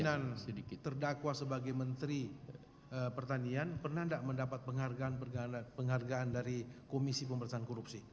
di masa kepemimpinan terdakwa sebagai menteri pertanian pernah enggak mendapat penghargaan dari komisi pemberantasan korupsi